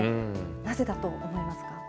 なぜだと思いますか。